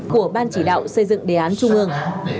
của ban chỉ đạo xây dựng đề án trung ương